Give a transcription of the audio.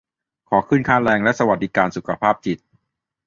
ขอขึ้นค่าแรง และสวัสดิการสุขภาพจิต